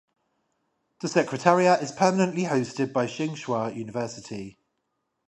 The Secretariat is permanently hosted by Tsinghua University.